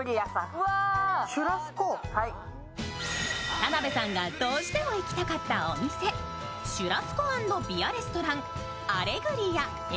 田辺さんがどうしても行きたかったお店シュラスコ＆ビアレストランＡＬＥＧＲＩＡ